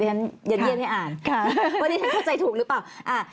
ดังนั้นเย็นให้อ่านวันนี้ฉันเข้าใจถูกหรือเปล่า